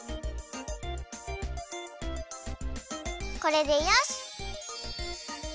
これでよし！